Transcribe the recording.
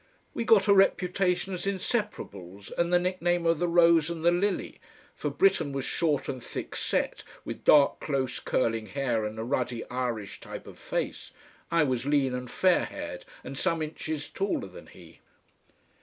We got a reputation as inseparables and the nickname of the Rose and the Lily, for Britten was short and thick set with dark close curling hair and a ruddy Irish type of face; I was lean and fair haired and some inches taller than he.